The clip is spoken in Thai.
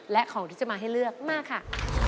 และของที่จะมาให้เลือกมาค่ะ